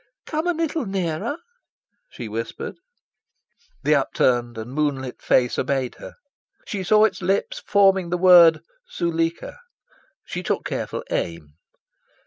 "Come a little nearer!" she whispered. The upturned and moonlit face obeyed her. She saw its lips forming the word "Zuleika." She took careful aim.